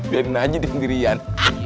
biarin aja di sendirian